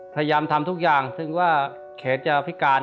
พยายามทำทุกอย่างซึ่งว่าแขนจะพิการ